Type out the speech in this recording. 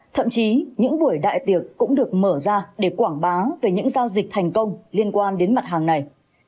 thậm chí những buổi đại tiệc cũng được mở ra để quảng bá về những giao dịch thành công liên quan đến mặt hàng này